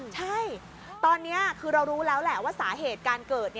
ใช่ตอนนี้คือเรารู้แล้วแหละว่าสาเหตุการเกิด